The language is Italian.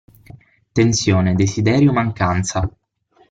Tensione, desiderio, mancanza.